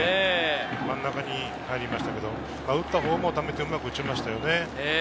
真ん中になりましたけど、打ったほうもためてうまく打ちましたよね。